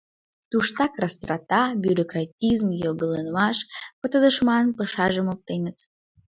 Туштак растрата, бюрократизм, йогыланымаш пытыдымашын пыжашым оптеныт.